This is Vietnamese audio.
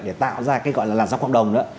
để tạo ra cái gọi là làn sóc quạng đồng